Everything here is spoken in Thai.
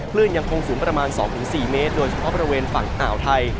คลื่นยังคงสูงประมาณ๒๔เมตรโดยเฉพาะบริเวณฝั่งอ่าวไทย